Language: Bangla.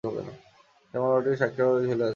সেই মামলাটিও সাক্ষীর অভাবে ঝুলে আছে।